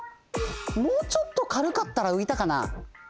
もうちょっとかるかったらういたかな？